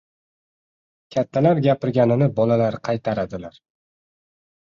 • Kattalar gapirganini bolalar qaytaradilar.